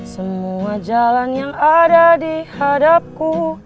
semua jalan yang ada di hadapku